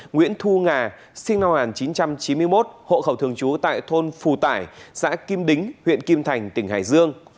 nguyễn thu ngà sinh năm một nghìn chín trăm chín mươi một hộ khẩu thương chú tại thôn phù tải xã kim đính huyện kim thành tp hải dương